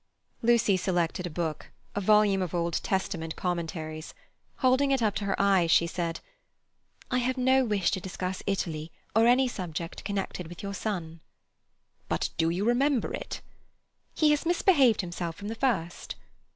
Lucy selected a book—a volume of Old Testament commentaries. Holding it up to her eyes, she said: "I have no wish to discuss Italy or any subject connected with your son." "But you do remember it?" "He has misbehaved himself from the first."